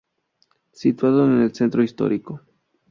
Situado en el centro histórico.